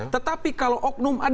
tetapi kalau oknum ada